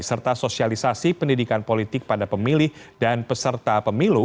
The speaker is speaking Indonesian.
serta sosialisasi pendidikan politik pada pemilih dan peserta pemilu